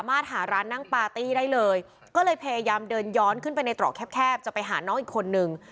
ปาร์ตี้ได้เลยก็เลยพยายามเดินย้อนขึ้นไปในต่อแคบแคบจะไปหาน้องอีกคนนึง